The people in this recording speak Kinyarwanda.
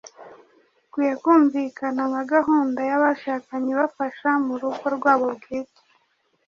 ikwiye kumvikana nka gahunda y’abashakanye ibafasha mu rugo rwabo bwite